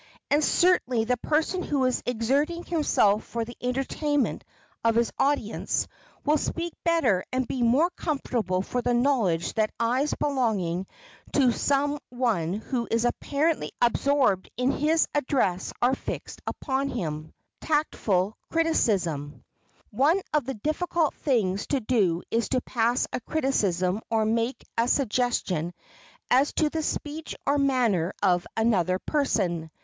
And certainly the person who is exerting himself for the entertainment of his audience will speak better and be more comfortable for the knowledge that eyes belonging to some one who is apparently absorbed in his address are fixed upon him. [Sidenote: TACTFUL CRITICISM] One of the difficult things to do is to pass a criticism or make a suggestion as to the speech or manner of another person.